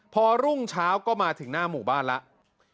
พอรุ่งเช้าก็มาถึงหน้าหมู่บ้านแล้ว